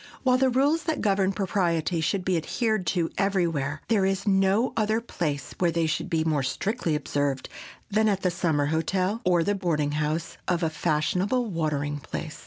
While the rules that govern propriety should be adhered to everywhere, there is no other place where they should be more strictly observed than at the summer hotel, or the boarding house of a fashionable watering place.